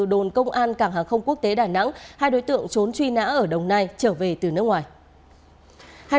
đồn công an cảng hàng không quốc tế đà nẵng hai đối tượng trốn truy nã ở đồng nai trở về từ nước ngoài